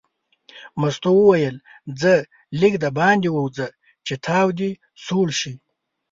مستو وویل ځه لږ دباندې ووځه چې تاو دې سوړ شي.